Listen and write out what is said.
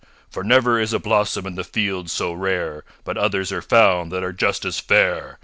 For never is a blossom in the field so rare, But others are found that are just as fair.